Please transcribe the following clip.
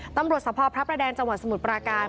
ตำรวจสภพระประแดงจังหวัดสมุทรปราการ